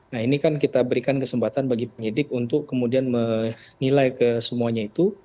nah ini kan kita berikan kesempatan bagi penyidik untuk kemudian menilai ke semuanya itu